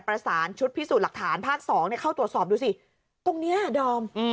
ประสานชุดพิสูจน์หลักฐานภาค๒เข้าตรวจสอบดูสิตรงนี้ดอม